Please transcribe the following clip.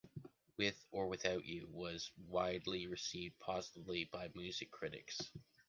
"With or Without You" was widely received positively by music critics.